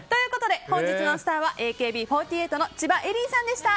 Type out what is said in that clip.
本日のスターはＡＫＢ４８の千葉恵里さんでした。